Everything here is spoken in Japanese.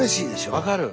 分かる。